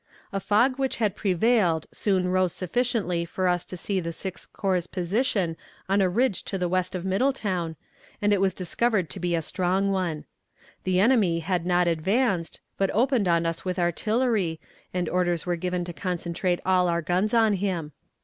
A fog which had prevailed soon rose sufficiently for us to see the Sixth Corps' position on a ridge to the west of Middletown, and it was discovered to be a strong one. The enemy had not advanced, but opened on us with artillery, and orders were given to concentrate all our guns on him.